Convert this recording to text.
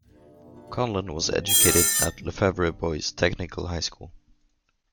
Conlon was educated at LeFevre Boys Technical High School.